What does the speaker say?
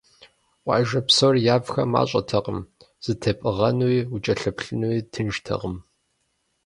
Къуажэ псом явхэр мащӏэтэкъым, зэтепӏыгъэнуи, укӏэлъыплъынуи тынштэкъым.